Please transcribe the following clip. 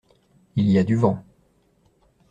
Il y a du vent.